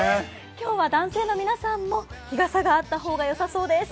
今日は男性の皆さんも日傘があった方がよさそうです。